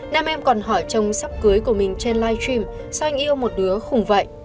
nam em còn hỏi chồng sắp cưới của mình trên live stream sau anh yêu một đứa khủng vậy